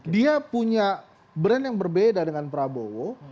dia punya brand yang berbeda dengan prabowo